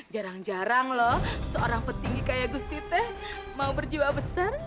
jarang jarang loh seorang petinggi kayak gustite mau berjiwa besar